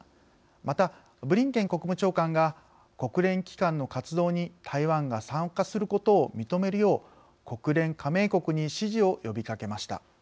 またブリンケン国務長官が国連機関の活動に台湾が参加することを認めるよう国連加盟国に支持を呼びかけました。